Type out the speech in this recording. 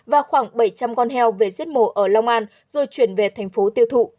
và khoảng bảy trăm linh con heo về giết mổ ở long an rồi chuyển về thành phố tiêu thụ